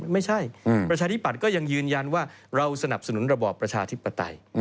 ประชาธิปัตย์ก็ยังยืนยันว่าเราสนับสนุนระบอบประชาธิปไตย